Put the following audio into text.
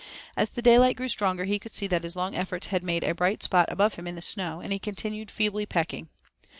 As the daylight grew stronger he could see that his long efforts had made a brighter spot above him in the snow, and he continued feebly pecking.